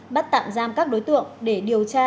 bắt tạm giam các đối tượng để điều tra